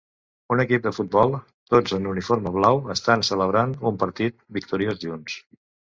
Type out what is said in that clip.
Un equip de futbol, tots en uniforme blau, estan celebrant un partit victoriós junts.